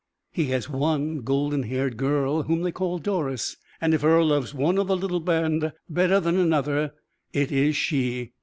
He has one golden haired girl whom they call Doris; and if Earle loves one of the little band better than another, it is she.